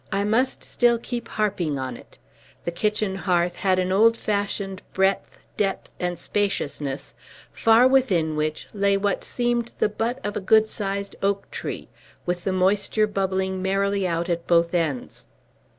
I must still keep harping on it. The kitchen hearth had an old fashioned breadth, depth, and spaciousness, far within which lay what seemed the butt of a good sized oak tree, with the moisture bubbling merrily out at both ends.